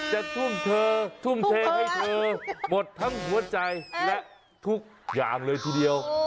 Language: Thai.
ทุ่มเธอทุ่มเทให้เธอหมดทั้งหัวใจและทุกอย่างเลยทีเดียว